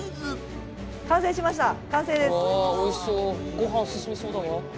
ごはん進みそうだわ。